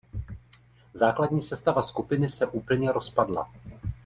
Základní sestava skupiny se úplně rozpadla.